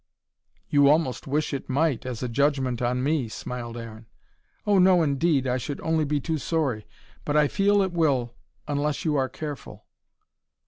"You almost wish it might, as a judgment on me," smiled Aaron. "Oh, no, indeed. I should only be too sorry. But I feel it will, unless you are careful."